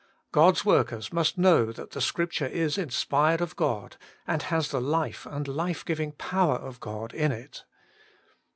God's workers must know that the Scripture is inspired of God, and has the life and life giving power of God in it.